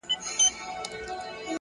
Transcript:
اخلاق د شخصیت ریښتینی معیار دی!